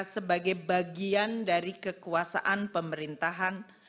sebagai bagian dari kekuasaan pemerintahan